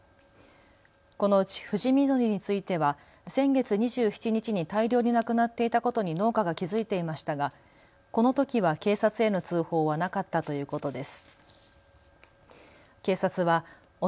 このうち藤稔については先月２７日に大量になくなっていたことに農家が気付いていましたがこのときは警察への通報はなかったということです。